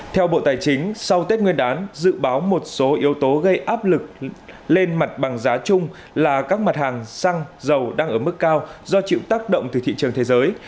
theo bộ tài chính sau tết nguyên đán dự báo một số yếu tố gây áp lực lên mặt bằng giá chung là các mặt hàng xăng dầu đang ở mức cao do chịu tác động từ thị trường thế giới